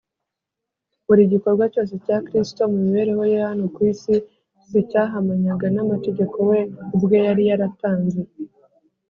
Buri gikorwa cyose cya Kristo mu mibereho ye hano kuri iyi si cyahamanyaga n’amategeko we ubwe yari yaratanze,